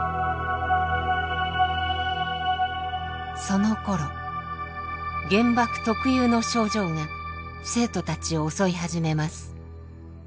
そのころ原爆特有の症状が生徒たちを襲い始めます。